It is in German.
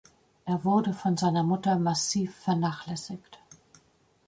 Er wurde von seiner Mutter massiv vernachlässigt.